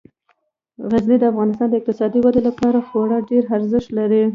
غزني د افغانستان د اقتصادي ودې لپاره خورا ډیر ارزښت لري.